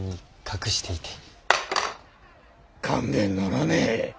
勘弁ならねえ！